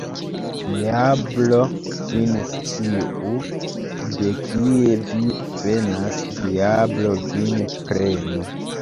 Diablo vin sciu, de kie vi venas, diablo vin prenu!